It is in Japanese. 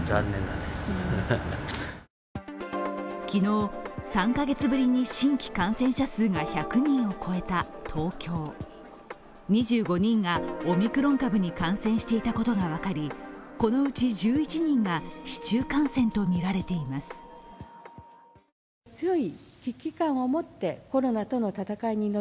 昨日、３カ月ぶりに新規感染者数が１００人を超えた東京２５人がオミクロン株に感染していたことが分かりこのうち１１人が市中感染とみられています。